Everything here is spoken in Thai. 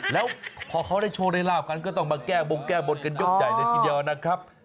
แล้วพอเขาได้โชคได้ลาบกันก็ต้องมาแก้บงแก้บนกันยกใหญ่เลยทีเดียวนะครับ